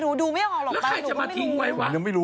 แล้วใครจะมาทิ้งไว้วะ